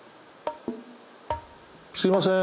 すいません。